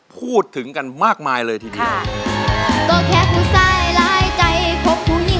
พูดถึงกันมากมายเลยทีเดียวค่ะ